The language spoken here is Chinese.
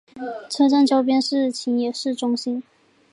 车站周边是秦野市中心。